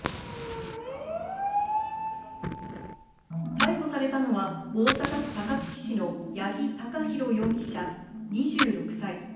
逮捕されたのは大阪府高槻市の八木貴寛容疑者、２６歳。